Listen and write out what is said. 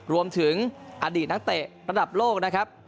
รวมถึงอดีตนักเตะระดับโลกนะครับ